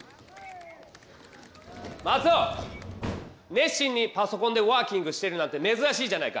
熱心にパソコンでワーキングしてるなんてめずらしいじゃないか。